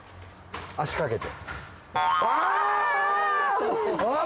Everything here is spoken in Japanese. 足かけて。